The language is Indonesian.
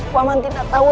paman tidak tau